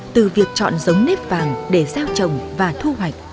từ việc chọn giống nếp vàng để gieo trồng và thu hoạch